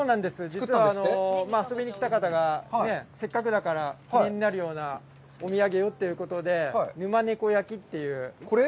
実は、遊びにきた方が、せっかくだから記念になるようなお土産をということで、「沼ネコ焼」という。